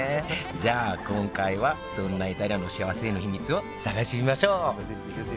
じゃあ今回はそんなイタリアのしあわせの秘密を探しに行きましょう！